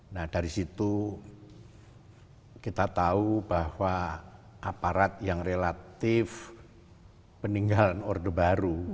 nah dari situ kita tahu bahwa aparat yang relatif peninggalan orde baru